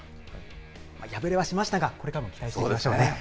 敗れはしましたが、これからも期待したいですね。